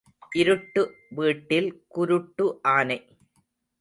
இருட்டு வீட்டில் குருட்டு ஆனை.